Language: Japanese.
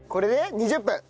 ２０分。